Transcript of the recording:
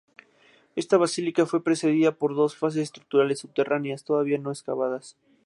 Esta basílica fue precedida por dos fases estructurales subterráneas, todavía no excavadas.